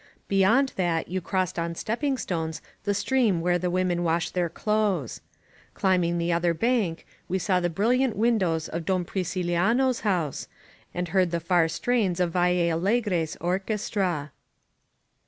Beyond that you crossed on stepping stones the stream where the women wash their clothes. Climbing the other bank we saw the brilliant windows of Don Pridliano's house, and heard the far strains of Valle Allegre's orchestra.